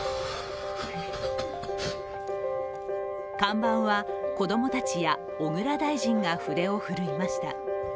看板は、子供たちや小倉大臣が筆を振るいました。